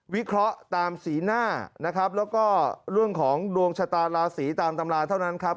วิเคราะห์ตามสีหน้านะครับแล้วก็เรื่องของดวงชะตาราศีตามตำราเท่านั้นครับ